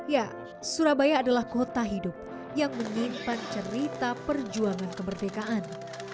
ya surabaya adalah kota hidup yang menyimpan cerita perjuangan kemerdekaan